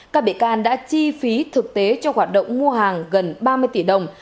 các bị can đã chi phí thực tế cho hoạt động mua hàng gần ba mươi tỷ đồng